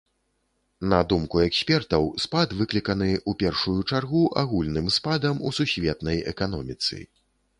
На думку экспертаў, спад выкліканы, у першую чаргу, агульным спадам у сусветнай эканоміцы.